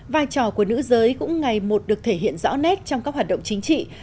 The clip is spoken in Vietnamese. vai trò của nữ giới cũng ngày một được thể hiện rõ nét trong các hoạt động chính trị